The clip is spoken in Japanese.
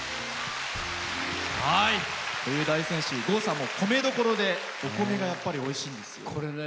大仙市、郷さんも米どころでお米がやっぱりおいしいんですよ。